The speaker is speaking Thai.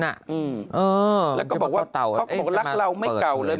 แล้วก็บอกว่ารักเราไม่เก่าเลย